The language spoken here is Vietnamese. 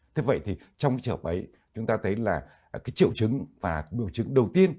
thế vậy thì trong cái trợp ấy chúng ta thấy là cái triệu chứng và biểu chứng đầu tiên